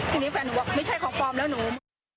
ทีนี้แฟนหนูบอกไม่ใช่ของปลอมแล้วหนู